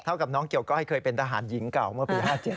กับน้องเกี่ยวก้อยเคยเป็นทหารหญิงเก่าเมื่อปี๕๗